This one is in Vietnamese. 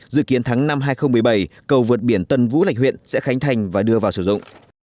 dự kiến tháng năm hai nghìn một mươi bảy cầu vượt biển tân vũ lạch huyện sẽ khánh thành và đưa vào sử dụng